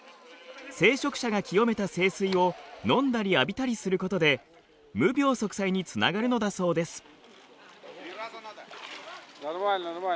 聖職者が清めた聖水を飲んだり浴びたりすることで無病息災につながるのだそうです。